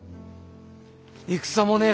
戦もねえ